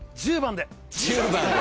１０番で。